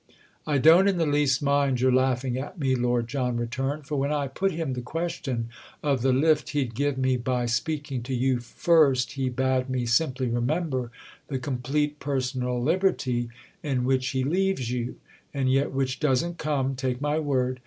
"I don't in the least mind your laughing at me," Lord John returned, "for when I put him the question of the lift he'd give me by speaking to you first he bade me simply remember the complete personal liberty in which he leaves you, and yet which doesn't come—take my word!"